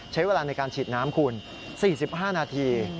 ใช้เวลาในการฉีดน้ำคุณ๔๕นาที